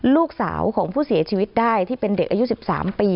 ลูกสาวของผู้เสียชีวิตได้ที่เป็นเด็กอายุ๑๓ปี